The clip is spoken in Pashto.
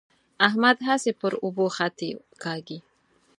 احمد هسې پر اوبو خطې کاږي.